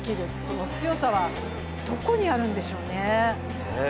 この強さはどこにあるんでしょうね。